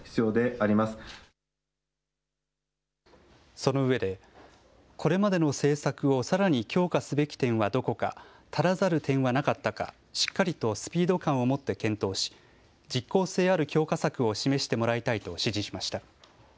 そのうえでこれまでの政策をさらに強化すべき点はどこか、足らざる点はなかったか、しっかりとスピード感を持って検討し実効性ある強化策を示してもらいたいと指示しました。